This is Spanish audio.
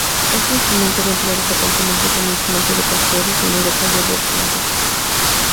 Este instrumento era empleado frecuentemente como instrumento de pastores en Europa y Asia occidental.